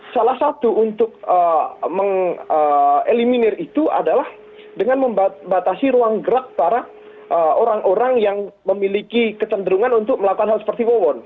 salah satu untuk mengeliminir itu adalah dengan membatasi ruang gerak para orang orang yang memiliki kecenderungan untuk melakukan hal seperti wawon